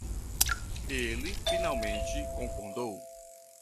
Ele finalmente concordou